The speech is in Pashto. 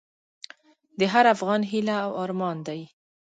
د هر افغان هیله او ارمان دی؛